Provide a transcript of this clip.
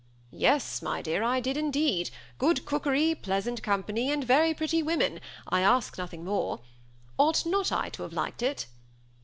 " Yes, my dear, I did indeed : good cookery, pleasant company, and very pretty women, — I ask nothing more. Ought not I to have liked it?"